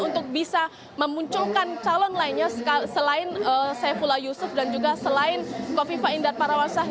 untuk bisa memunculkan calon lainnya selain saifullah yusuf dan juga selain kofifa indar parawansa